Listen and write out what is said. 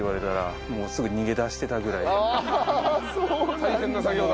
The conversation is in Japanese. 大変な作業だから。